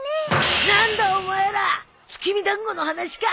何だお前ら月見団子の話か！